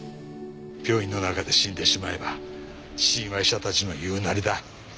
病院の中で死んでしまえば死因は医者たちの言うなりだ。